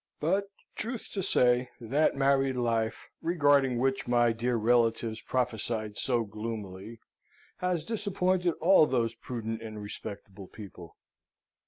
But, truth to say, that married life, regarding which my dear relatives prophesied so gloomily, has disappointed all those prudent and respectable people.